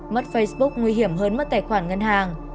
mất facebook nguy hiểm hơn mất tài khoản ngân hàng